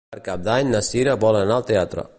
Per Cap d'Any na Cira vol anar al teatre.